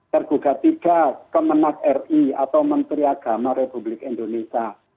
tergugat tiga kemenang ri atau menteri agama republik indonesia